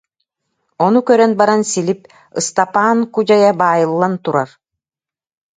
Ону көрөн баран Силип: «Ыстапаан Кудьайа баайыллан турар»